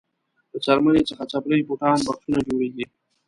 له څرمنې څخه څپلۍ بوټان بکسونه جوړیږي.